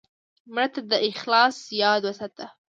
مړه ته د اخلاص یاد وساته